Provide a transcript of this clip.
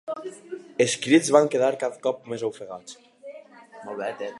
Els crits van quedar cada cop més ofegats.